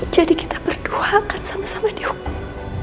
jadi kita berdua akan sama sama dihukum